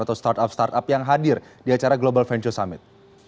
atau startup startup yang hadir di acara global venture summit